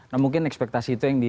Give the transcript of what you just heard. nah mungkin ekspektasi itu yang di